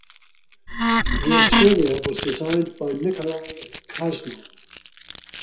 The interior was designed by Nikolaj Krasnov.